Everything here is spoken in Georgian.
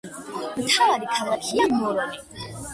მთავარი ქალაქია მორონი.